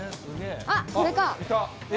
あっ、これか。